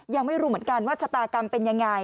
ยังไม่รู้เหมือนกันว่าชะตากรรมเป็นยังไง